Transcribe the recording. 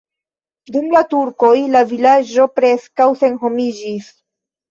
Dum la turkoj la vilaĝo preskaŭ senhomiĝis.